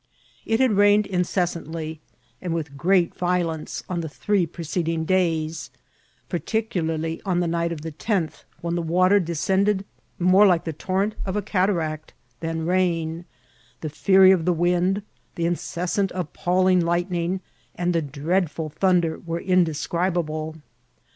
It had rained incessantly, and with great violence, on the three preceding days, par ticularly on the night of the tenth, when the water de scended more like the torrent of a cataract than rain ; the fury of the wind, the incessant appalling lightning, and the dreadful thunder, were indescribable."